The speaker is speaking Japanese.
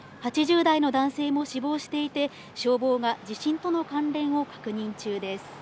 ８０代の男性も死亡していて消防が地震との関連を確認中です。